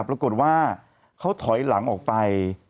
ปรากฏว่าเขาถอยหลังออกไป